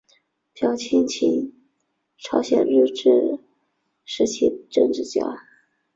朴春琴朝鲜日治时期政治家。